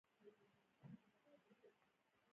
ناپوهي او جهالت په ولس کې ځای نه لري